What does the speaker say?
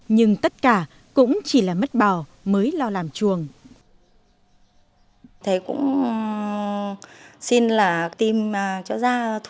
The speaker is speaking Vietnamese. nhưng tất cả cũng chỉ là mất bò mới lo làm chuồng